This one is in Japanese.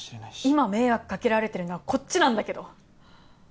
今迷惑かけられてるのはこっちなんだけど！